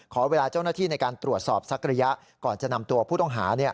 ขอเวลาเจ้าหน้าที่ในการตรวจสอบสักระยะก่อนจะนำตัวผู้ต้องหา